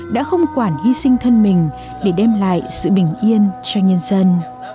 đã không quản hy sinh thân mình để đem lại sự bình yên cho nhân dân